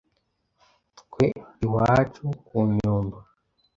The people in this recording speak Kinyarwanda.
Twe iwacu ku Nyundo